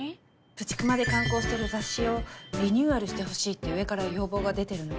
プチクマで刊行している雑誌をリニューアルしてほしいって上から要望が出てるの。